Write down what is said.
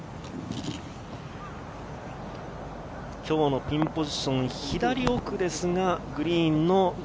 今日のピンポジション、左奥ですがグリーンの。